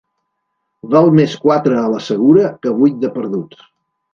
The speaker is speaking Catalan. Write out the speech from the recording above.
Val més quatre a la segura que vuit de perduts.